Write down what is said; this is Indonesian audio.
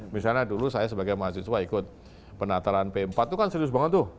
misalnya dulu saya sebagai mahasiswa ikut penataran p empat itu kan serius banget tuh